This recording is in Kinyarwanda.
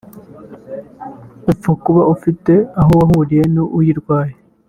upfa kuba ufite aho wahuriye n’uyirwaye